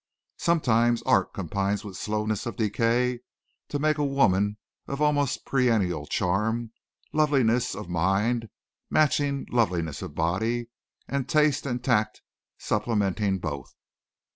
Sometimes art combines with slowness of decay to make a woman of almost perennial charm, loveliness of mind matching loveliness of body, and taste and tact supplementing both.